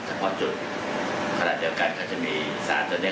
เข้าระดับเดียวกันเค้าจะมีซานเนี่ย